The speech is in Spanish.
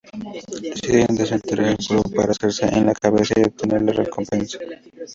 Deciden desenterrar el cuerpo para hacerse con la cabeza y obtener la recompensa.